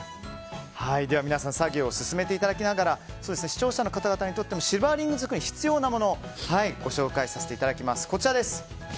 皆さん作業を進めていただきながら視聴者の方々にとってのシルバーリング作りに必要なものをご紹介させていただきます。